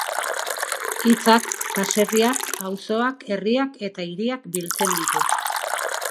Hitzak baserriak, auzoak, herriak eta hiriak biltzen ditu.